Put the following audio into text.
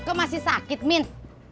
ini ke masih sakit min